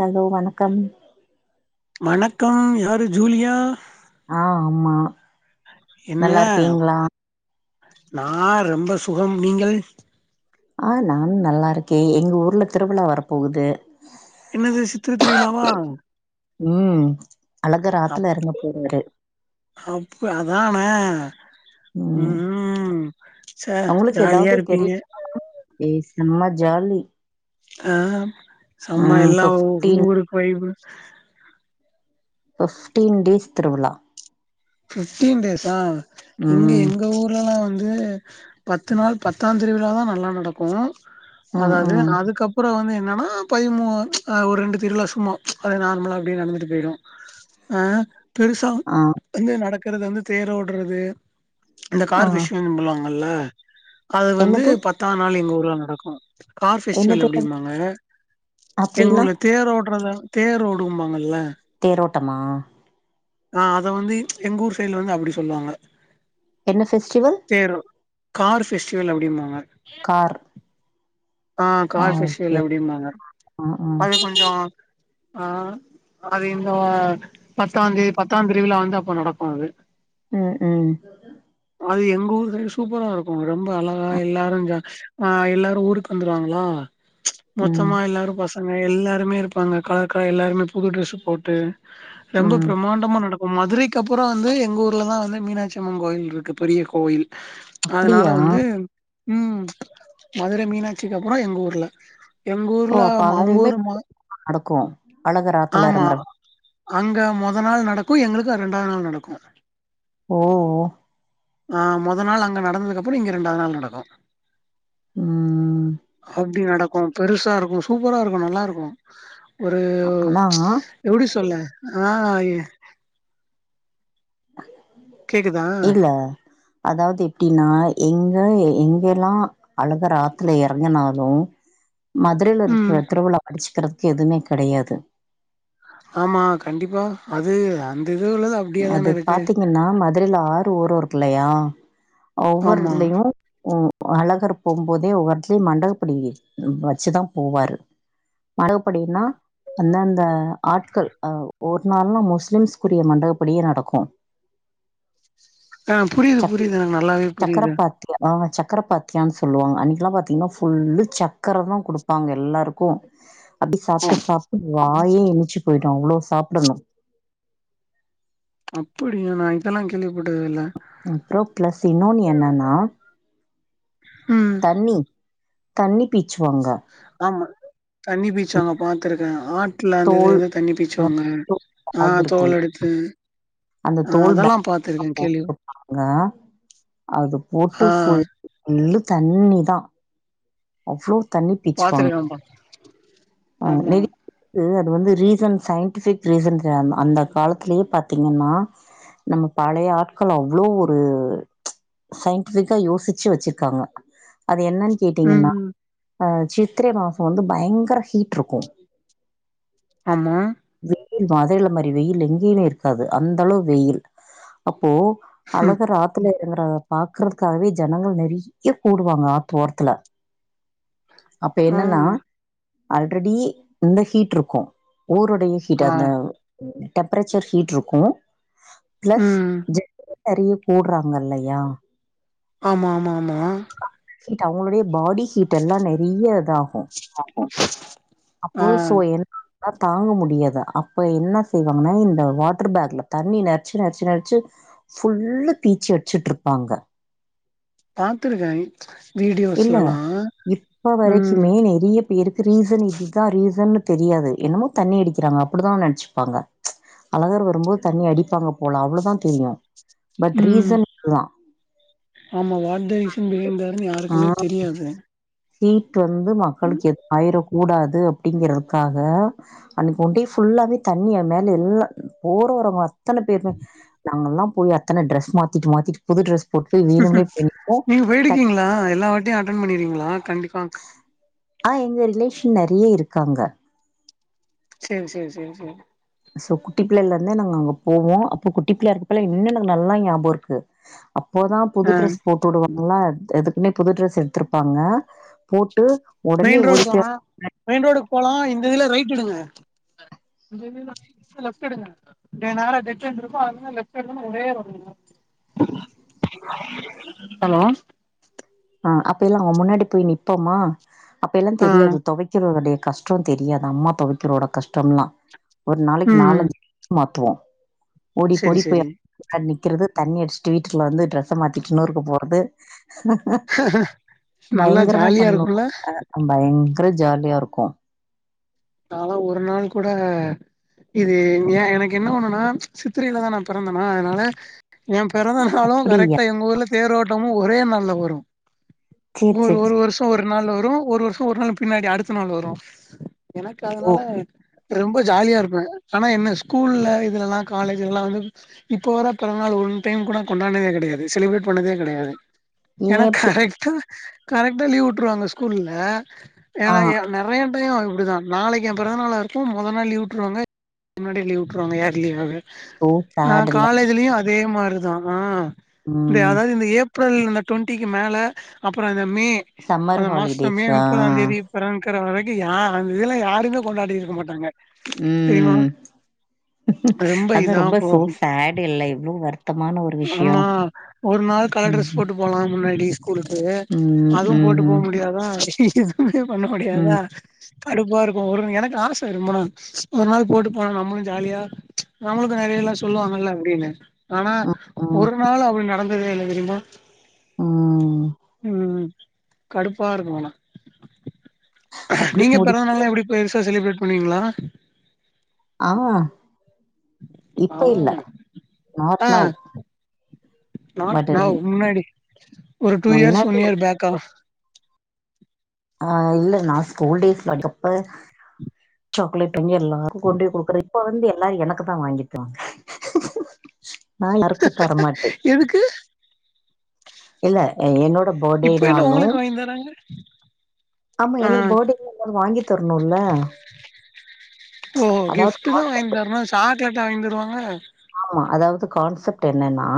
Hello வணக்கம் வணக்கம் யாரு ஜூலியா ஆஹ் ஆமா நல்லா இருக்கீங்களா ந ரொம்ப சுகம் நீங்கள் ஆஹ் நானும் நல்லா இருக்கே எங்க ஊர்ல திருவிழா வர போகுது என்னது சித்திர திருவிழாவா உம் அழகர் அப் ஆத்துல எறங்க போறாரு அப் அதானே உம் ம். ச்சே அவங்களுக்கு ஜாலியா ஏதாவது தெரிய இருப்பீங்க. [unintelligible] செம்ம ஜாலி ஆஹ் செம்ம ம் எல்லாம் ஃபிப்டீன் ஊரு போய் ஃபிப்டீன் டேஸ் திருவிழா ஃபிப்டீன் டேஸா இங்க ம் எங்க ஊர்லல்லாம் வந்து இல்லயே பத்து நாள் பத்தாம் திருவிழா தான் நல்லா நடக்கும் ம் அதாவது ம் அதுக்கப்புறம் வந்து இன்ன ஆஹ் பதிமூனு ஒரு ரெண்டு திருவிழா சும்மா அது நார்மலா அப்டே நடந்துட்டு போயிடும் ஆஹ் பெருசா ஆ வந்து நடக்கிறது வந்து தேர் ஓடுறது இந்த ஆ கார் விஷயம்லாம் அது வந்து என்னது பத்தா நாள் எங்க ஊர்ல நடக்கும் கார் ஃபெஸ்டிவல் என்னது என்னது அப்டிம்பாங்க எங்க அப்டின்னா ஊர்ல தேர் ஓடுறத தேர் ஓடும்பாங்கல்ல தோட்டமா ஆஹ் அத வந்து எங்க ஊர் சைடுல வந்து அப்படி சொல்லுவாங்க என்ன ஃபெஸ்டிவல் தேரோ கார் ஃபஸ்டிவல் அப்டிம்பாங்க கார் ஆஹ் ஆ கார் பெஸ்டிவல் ஓகே அப்டிம்பாங்க ஆ ஆ அது கொஞ்சோ ஆஹ் அது இந்த பத்தாம் தேதி பத்தாம் தேதில வந்து அப்போ நடக்கும் அது உம் உம் அது எங்க ஊர் சைடு சூப்பரா இருக்கும் ரொம்ப அழகா எல்லாரும் ஆஹ் எல்லாரும் ஊருக்கு வந்துருவாங்களா ம் மொத்தமா எல்லாரும் பச எல்லாருமே இருப்பாங்க கலர் கலர் எல்லாருமே புது ட்ரெஸ் போட்டு ரொம்ப ம் பிரமாண்டமா நட இப்ப மதுரைக்கு அப்புறம் வந்து எங்க ஊர்ல தான் வந்து மீனாட்சியம்மன் கோயில் இருக்கு பெரிய கோயில் அதனால அப்டியா வந்து உம் மதுரை மீனா க்கு அப்புறம் எங்க ஊர்ல எங்க ஓ ஊர்ல அப்ப அவங்க அங்கயுமே ஊருமா நடக்கு அழகர் ஆத்துல ஆமா எறங்குற அங்க மொதல் நாள் நடக்கும் எங்களுக்கு ரெண்டாவது நாள் நடக்கும் ஓஓ ஆஹ் மொதல் நாள் அங்க நடந்ததுக்கு அப்புறம் இங்க ரெண்டாவது நாள் நடக்கும் ம் அப்டி நடக்கும் பெருசா இருக்கும் சூப்பரா இருக்கும் நல்லா இருக்கும் ஒரு ஆனா எப்படி சொல்ல ஆஹ் கேக்குதா இல்ல அதாவது எப்டினா எங்க எங்கெலா அழகர் ஆத்துல எறங்குனாலு [inaudible] மதுரைல ம் இருக்கிற திருவிழா அடிச்சுக்கிறதுக்கு எதுவுமே கெடையாது ஆமா கண்டிப்பா அது அந் அது பாத்தீங்கன்னா மதுரைல ஆறு ஒரு ஒரு கில்லையா ஒவ்வொரு ஆமா. இதுலயு ஒ அழகர் போம்போதே ஒவ்வொரு எடத்திலுயு மண்டகப்படி வெச்சுதா போவாரு மரகுப்படினா அந்த அந்த ஆட்கள் அ ஒரு நாள்லு முஸ்லீம்ஸ்க்குரிய மண்ட அப்டியே நடக்கு ஆ புரியுது, சக் புரியுது. எனக்கு நல்லாவே புரியுது. சக்கரப்பாத்தி ஆ சக் சக்கர பாத்தியான்னு சொல்லுவாங்க அன்னைக்கெல்லா பாத்தீங்கன்னா ஃபுல்லு சக்கரதா குடுப்பாங்க எல்லாருக்கு அப்டி சாப்ட்டு சாப்டு வாயே இணிச்சு போயிடு அவ்ளோ சாப்பிடணு அப்டியா நா இதெல்லா கேள்விப்பட்டதே இல்ல அப்றோ பிளஸ் இன்னோனு என்னனா ம். தண்ணி தண்ணி பீச்சுவாங்க ஆமா. தண்ணி பீ்ச்சுவாங்க பாத்திருக்கே ஆட்ல அந்த தோல் இதுலந்து தண்ணி அ பீச்சுவாங்க தோல் ஆ பேக் இருக்குல்ல, தோல் எடுத்து அந்த ஆ தோல் பேக் அதெல்லாம் எல்லா பாத்துருக்கேன் கேள்வி போட்டுருப்பாங்க அது ஆ போட்டு ஃபுல் இழு தண்ணிதா அவ்ளோ தண்ணி பீச்சுவாங்க பாத்துருக்கேன்ப்பா. ஆ ஆமா. நி [inaudible] இது வந்து ரீசன் சயின்டிபிக் ரீசன் தெரியாது அந்த காலத்திலயே பாத்தீங்கன்னா நம்ம பழைய ஆட்கள் அவ்ளோ ஒரு சயின்டிஃபிக்கா யோசிச்சு வெச்சிருக்காங்க அ என்னனு ம், கேட்டீங்கன்னா ம். சித்திரை மாசோ வந்து பயங்கர ஹீ ட்டுருக்கு ஆமா வெயில் மதுரைல மாரி வெயில் எங்கியுமே இருக்காது அந்த அளவு வெயில் போ ம். அழகர் ஆத்துல ங்கிறத பாக்கறதுக்காகவே ஜனங்க நெறயா கூடுவாங்க ஆத்து ஓரத்துல அப்ப ஆ. என்னன்னா ஆல்ரெடி இந்த ஹீட் இருக்கு ஊருடைய ஹீட் ஆ. அந்த டெம்பரேச்சர் ஹீட் இருக்கு பிளஸ் ம். ஜ நெறயா போடுறாங்கில்லயா ஆமாமாமா ஹீட் அவுங்களுடைய பாடி ஹீட் எல்லா நெறயா இதாகு ஆஹ அப்போ சோ என் லா தாங்க முடியாது அப்ப என்ன செய்வாங்கனா இந்த வாட்டர் பேக்ல தண்ணி நெரச்சு நெரச்சு நெரச்சு ஃபுல்லூ பீச்சி அடிச்சிட்டு இருப்பாங்க பாத்துருக்கே இல்ல இப்ப ம், வரைக்குமே நிறைய பேருக்கு ரீசன் இதுதா ரீசன் தெரியாது என்னமோ தண்ணி அடிக்கிறாங்க அப்டிதா நெனச்சுப்பாங்க அழகர் வரும்போது தண்ணி அடிப்பாங்க போல அவ்ளதா தெரியு பட் ம். ரீசன் இதுதா ஆமா வாட் த ரீசுன் பிஹைண்ட் தேர்னு யாருக்குமே ம் தெரியாது ஹீட் வந்து மக்களுக்கு எது ஆயிர கூடாது அப்படிங்கிறதுக்காக அன்னைக்கு ஒண்டே ஃபுல்லாவே தண்ணிய என் மேலே எல்லா போர வர்ரவங்க அத்தன பேருமே நாங்கெல்லா போய் அத்தன ட்ரெஸ் மாத்திட்டு மாத்திட்டு புது ட்ரெஸ் போட்டு போய் ம்ஹும் வேணும்னே போய் நிப்போ நீங்க போயிருக்கீங்ளா எல்லா வாட்டியு அட்டன் பண்ணிருக்கீங்ளா கண்டிப்பா ஆ எங்க ரிலேஷன் நெறயா இருக்காங்க சேரி சேரி சேரி சேரி சோ குட்டி பிள்ளைல இருந்தே நாங்க அங்க போவோ அப்போ குட்டி பிள்ளையா இருக்கறப்பலா இன்னு எனக்கு நல்லா ஞாபகருக்கு அப்போதா புது ஆ ட்ரெஸ் போட்டு வுடுவாங்கல்லா எதுக்குனே புது ட்ரெஸ் எடுத்திருப்பாங்க போட்டு ஒடனே மெயின் ரோடு ஓடி போய் போனா மெயின் ரோடுகு போலா இந்த இதுல ரைட் எடுங்க இந்த இதுல லெஃப்டெடுங்க டே நேரா டெட்டெண்ட்ருக்கு அதுல லெஃப்டெடுதொன ஒரே ரோடு வரு ஹலோ அ அப்பிலா அவ முன்னாடி போய் நிப்போமா அப்பைலா ஆ தெரியாது தொவைக்கிற கெடை கஷ்ட தெரியாத அம்மா தொவைக்கிறோட கஷ்டம்லா ஒரு நாளைக்கு ம் நாலஞ்சு மாத் ட்ரூ ஓடிப் சேரி போடிப் போய் சேரி நிக்கிறது தண்ணியடிச்சட்டு வீட்டுகுல்ல வந்து ட்ரெஸ்ஸ மாத்திட்டு நூறுக்கு போறது நல்லா பயங்கரமா ஜாலியா பண்ணு இருக்குல்ல அ பயங்கர ஜாலியாருக்கு நாலா ஒரு நாள் கூட இது ஏ எனக்கு என்ன ஒன்னுனா சித்திரையிலதா நான் பிறந்தனா அதனால ஏம் பிறந்த நாளு அப்படியா கரெக்டா எங்க ஊர்ல தேரோட்டமு ஒரே நாள்ல வரு சரி ஒரு சரி ஒரு சரி வருஷ ஒரு நாள் வரு ஒரு வருஷ ஒரு நாள் பின்னாடி அடுத்த நாள் வரு எனக்கு ஓ அதனால ரெம்ப ஜாலியா இருப்பே ஆனா என்ன ஸ்கூல்ல இதுலலலா காலேஜ்லலா வந்து இப்போ வரப் பிறந்தநாள் வுல்ப் ன் டைம் கூட கொண்டான்னதே கெடையாது செலிப்ரேட் பண்ணதே கெடையாது ஏன் ஏனா எப்படி கரெக்ட்டா கரெக்ட்டா லீவ் வுட்ருவாங்க ஸ்கூல்ல ஆ ஏனா எ நெறைய டைய அவ இப்டிதா நாளைக்கு எம் பிறந்தநாளாருக்கும் மொத நாள் லீவ் விட்ருவாங்க முன்னாடியே லீவு வுட்ருவாங்க ஏர்லீயாவே து தேடுல அதே மாரிதா ஆ ம் அதாவது இந்த ஏப்ரல் இந்த டொண்டிக்கு மேல அப்ற இந்த மே சம்மர் அந்த மாசம் மே ஹாலிடேஸா நுப்பதாந் தேதி பிறன்கிற வரைக்கு யா இதலா யாருமே கொண்டாடிருக்க மாட்டாங்க தெரியுமா ம் ரெம்ப அது இதா ரொம்ப சோ போகு சேட் இல்ல எவ்வளோ வருத்தமான ஒரு ஆமா விஷயம் ஒரு நா நாள் கலர் ம் ட்ரஸ் போட்டு போலா முன்னாடிஸ் ஸ்கூலுக்கு ம் அதுவும் ம் போட்டு போ ம் முடியாதா எதுவுமே பண்ண முடியாதா ம் கடுப்பாருக்கு ஒரு எனக்கு ஆச இருமா ஒரு நாள் போட்டு போனோ நம்ளு ஜாலியா நம்ளுக்கு நெறயலா சொல்லுவாங்கல்ல எப்டினு ஆனா ம் ஒரு நாள் அப்டி நடந்ததே இல்ல தெரியுமா ம். உம் உம் கடுப்பாருக்கு ஆனா அப்படி நீங்க முடி பெறந்தனால்லா எப்டி பெருசா செலிப்ரேட் பண்ணுவீங்ளா ஆ ஆ இப்ப இல்ல நாட் ஆ நவ் நாட் பட் நவ் முன்னாடி ஒரு டூ இயர்ஸ் முன்னாடி ஒன் இயர் பேக்கா ஆ இல்ல நா ஸ்கூல் டேஸ்ல [unintelligible] கப்ப சாக்லேட் வாங்கி எல்லாருக்கு கொண்டி போய் குடுக்கற இப்ப வந்து எல்லாரு எனக்குதா வாங்கிட்டுவாங்க நா யாருக்கு தரமாட்டே எதுக்கு இல்ல என்னோ ந்த இப்ப என்ன பஃடேனாலு உங்களுக்கு வாங்கி தராங்க ஆமா ஆ எனக்கு பெர்டேக்கு [unintelligible] வாங்கித் தரணுல ஓ கிஃப்ட்டுதா வாய்ங் தர்ணு சாக்லேட்டா வாய்ங்த்தருவாங்க ஆமா அதாவது கான்செப்ட் என்னனா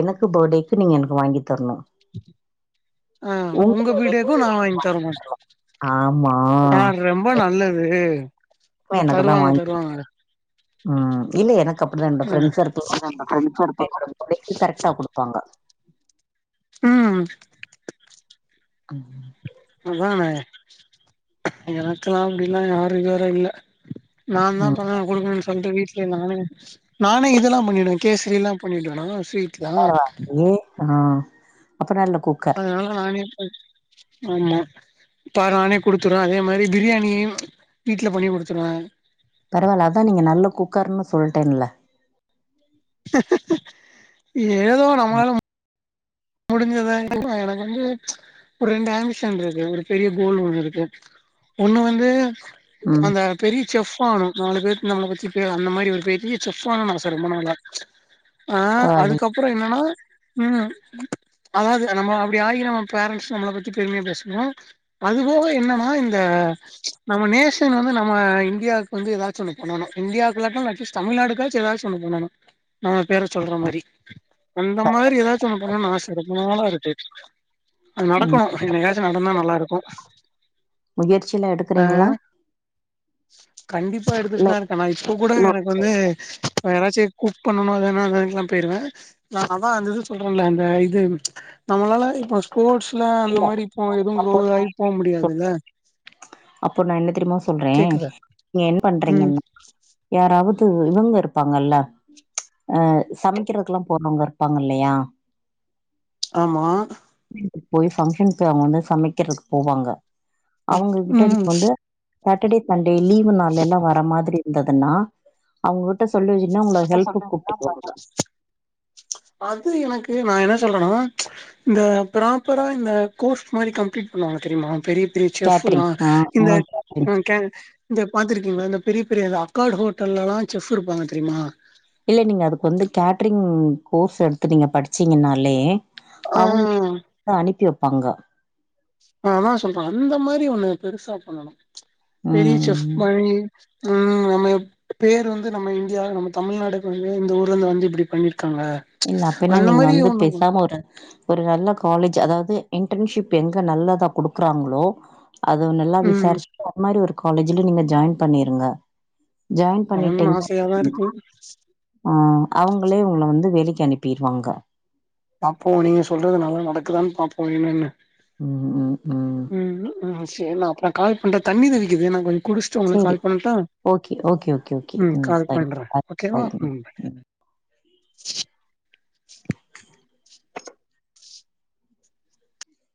எனக்கு பஃர்டேக்கு நீங்க எனக்கு வாங்கித்தரணு ஆ உங்க பர்த்டேக்கு பீடேக்கு நா நீங்க வாய்ங்த்தரணு ஆமா ஆ ரொம்ப நல்லது து தருவாங்க தருவாங்க உம் இல்ல எனக்கு அப்டிதா என்னோட ஃப்ரெண்ட்ஸ் சர்க்கிளு ஆ என்னோட பெர்டேக்கு கரெக்ட்டா குடுப்பாங்க உம் அ இதானே எனக்குலா அப்டிலா யாரு இதுவர இல்ல நாந்தா ம் [unintelligible] சொந்த வீட்ல நானே நானே இதெல்லா பண்ணிடுவே கேசரிலா பண்ணிடுவேனா ஸ்வீட்லா பரவால்லயே ஆ அப்ப நல்ல குக்கா அதனால நானே ஆமா பா நானே குடுத்துருவே அதே மாரி பிரியாணியு வீட்டுல பண்ணி குடுத்துருவே பரவால்ல அதா நீங்க நல்ல குக்கர்ன்னு சொல்ட்டேன்ல. ஏதோ ம். நம்மளால முடிஞ்சதா [inaudible] எனக்கு வந்து ஒரு ரெண்டு ஆம்பிஷன் இருக்கு ஒரு பெரிய கோல் ஒன்னு இருக்கு. ஒன்னு வந்து ம். அந்த பெரிய செஃப் ஆகனு நாலு பேர்க்கு நம்ம ரெசிபிய அந்த மாரி ஒரு பெரிய செஃப் ஆகனுன் ஆச ரொம்ப நாளா அ பரவால்லையே! அதுக்கப்பறொ என்னன்னா ம் அதாவ்து நம்ம அப்டி ஆகி நம்ம பேரன்ட்ஸ் நம்மள பத்தி பெருமையா பேசுணு அதுபோக என்னனா இந்த அ நம்ம நேஷன் வந்து நம்ம இந்தியாவுக்கு வந்து எதாச்சு ஒன்னு பண்ணணு இந்தியாக்கு இல்லாட்டாலு அட்லிஸ்ட் தமிழ்நா யாருக்காச்சு எதாச்சு ஒன்னு பண்ணணு நம்ம பேர சொல்ற மாரி அந்த மாரி எதாச்சும் ஒன்னு பண்ணணுன் ஆச ரொம்ப நாளா இருக்கு அது ம். நடக்கணும் என்னைக்காச்சு நடந்தா நல்லாருக்கு முயற்சிலாம் அ எடுக்குறீங்களா? கண்டிப்பா இல்ல எடுத்துக்ட்டுதா இருக்கே நா இப் இப்ப கூட எனக்கு வந்து யாராச்சு குக் பண்ணணு எதுனா [unintelligible] போயிருவ நா அதா வந்துது சொல்றேன்ல அந்த இது நம்மளால இப்ப ஸ்போர்ட்ஸ் இல்ல அந்த மாறி ப்போ எதுவு குரோ ஆகி போ முடியாதுல்ல. அப்ப நா என்ன தெரியுமா சொல்றே கேக்குதா நீங்க என்ன ம் பண்றீங்கனா யாரா ராவுது இவங்க இருப்பாங்கல்ல அ சமைக்கறதுக்கெல்லா போனவங்க இருப்பாங்கல்லையா ஆமா போய் ஃபங்ஷன்க்கு அவுங்க வந்து சமைக்கிறக்கு போவாங்க அவுங்க கிட்ட ம் [inaudible] வந்து சாட்டர்டே சண்டே லீவு நாள்ல எல்லா வர மாதிரி இருந்ததுன்னா அவுங்ககிட்ட சொல்லிங்ன்னா உங்கள ஹெல்ப் கூப்ட்டுக்குவாங்கள அது எனக்கு நா என்ன சொல்றனா இந்த ப்ராப்பரா இந்த கோர்ஸ் மாரி கம்ப்ளீட் பண்ணுவாங்க தெரிமா பெரிய பெரிய செஃப்லா கேட்டரிங். ஆ, ஆ இந்த கேட்டரிங். ம் கேங் இந்த பாத்துருக்கீங்களா இந்த பெரிய பெரியல அக்கார்ட் ஹோட்டல்லலா செஃப் இருப்பாங்க தெரியுமா இல்ல நீங்க அதுக்கு வந்து கேட்டரிங் கோர்ஸ் எடுத்து நீங்க படிச்சிங்கனாலே ஆ அவுங்களே [inaudible] அனுப்பி வப்பாங்க ஆ அதா சொல்ற அந்த மாறி ஒன்னு பெருசா பண்ணணு பெரிய செஃப் ம் மாறி ம் நம்ம பேர் வந்து நம்ம இந்தியா நம்ம தமிழ்நாடுக்கு வந்து இந்த ஊர்லந்து வந்து இப்டி பண்ணிரு இல்ல அப்பின்னா நீங்க வந்து பேசாம ஒரு ஒரு நல்ல காலேஜ் அதாவது இன்டர்ன்ஷிப் எங்க நல்லதா குடுக்குறாங்களோ அத நல்லா ம் விசாரிச்சுட்டு அந் மாறி ஒரு காலேஜ்ல நீங்க ஜாயின் பண்ணிருங்க ஜாயின் பண்ணனுனு பண்ணிட்டீங்க [inaudible] ஆசையாதா இருக்கு ஆ அவங்களே உங்கள வந்து வேலைக்கு அனுப்பிருவாங்க. பாப்போ நீங்க சொல்றது நல்லா நடக்குதான்னு பாப்போ என்னன்னு ம் ம் ம் நா கால் பண்ற தண்ணி தெவிக்குது நா கொஞ் குடிச்சுட்டு உங்களுக் சேரி கால் பண்ணட்டா? ஓகே ஓகே ஓகே ஓகே ம் கால் தேங்க்யூ பண்ற பாய் ஓகேவா பாய் ம்